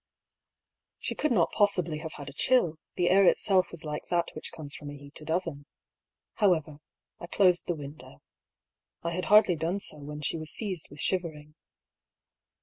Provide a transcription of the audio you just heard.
150 I>B. PAULL'S THEORY. She could not possibly hare had a chill; the air itself was like that which cpmes from a heated oveiu Howerer, I closed the window. I had hardly done so when she was seized with shivering.